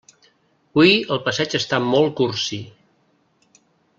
Hui el passeig està molt cursi.